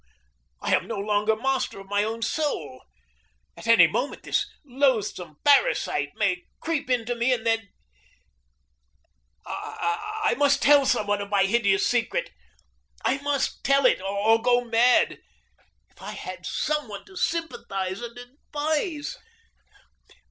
I am no longer master of my own soul. At any moment this loathsome parasite may creep into me, and then I must tell some one my hideous secret I must tell it or go mad. If I had some one to sympathize and advise!